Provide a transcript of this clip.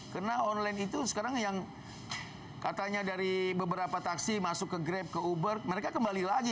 karena online itu sekarang yang katanya dari beberapa taksi masuk ke grab ke uber mereka kembali lagi